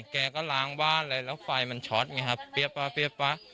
แกก็ล้างบ้านเลยแล้วไฟมันช็อตอย่างนี้ครับเปรี้ยปะ